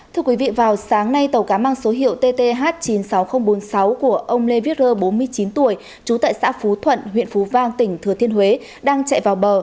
thưa quý vị vào sáng nay tàu cá mang số hiệu tth chín mươi sáu nghìn bốn mươi sáu của ông lê viết rơ bốn mươi chín tuổi trú tại xã phú thuận huyện phú vang tỉnh thừa thiên huế đang chạy vào bờ